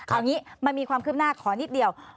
เอางี้มันมีความคืบหน้าขอนิดเดียว